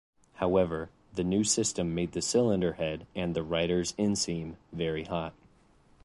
However, the new system made the cylinder head, and the rider's inseam, very hot.